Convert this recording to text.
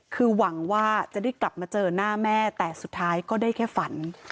คือหวังว่าจะได้กลับมาเจอหน้าแม่แต่สุดท้ายก็ได้แค่ฝัน